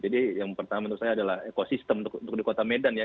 jadi yang pertama menurut saya adalah ekosistem untuk di kota medan ya